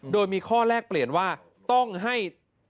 โดยมีข้อแลกเปลี่ยนว่าต้องให้